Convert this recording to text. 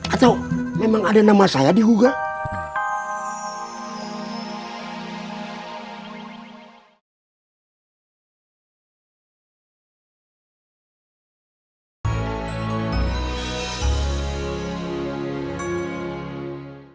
atau memang ada nama saya di hugo